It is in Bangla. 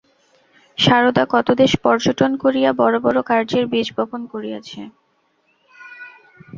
সারদা কত দেশ পর্যটন করিয়া বড় বড় কার্যের বীজ বপন করিয়াছে।